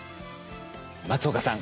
松岡さん